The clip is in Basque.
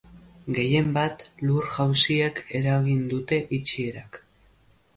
Gehienbat, lur-jausiek eragin dute itxierak.